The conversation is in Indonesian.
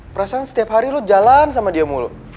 perasaan setiap hari lu jalan sama dia mulu